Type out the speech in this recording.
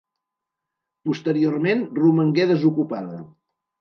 Posteriorment romangué desocupada.